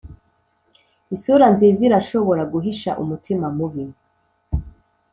isura nziza irashobora guhisha umutima mubi.